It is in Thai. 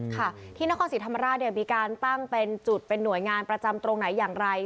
ค่ะที่นครศิษย์ธรรมราชมีการปั้งเป็นหน่วยงานประจำตรงไหนอย่างไร